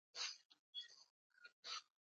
ایا دا ستا د ژوند لومړنی بهرنی سفر دی؟